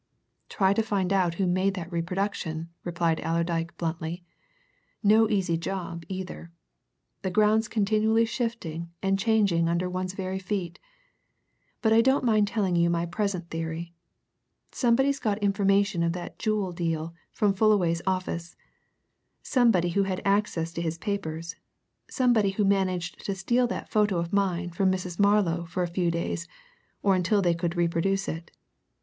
"Try to find out who made that reproduction," replied Allerdyke bluntly. "No easy job, either! The ground's continually shifting and changing under one's very feet. But I don't mind telling you my present theory somebody's got information of that jewel deal from Fullaway's office, somebody who had access to his papers, somebody who managed to steal that photo of mine from Mrs. Marlow for a few days or until they could reproduce it.